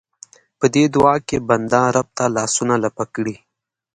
په دې دعا کې بنده رب ته لاسونه لپه کړي.